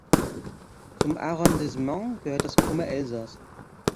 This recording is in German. Zum Arrondissement gehört das "Krumme Elsass".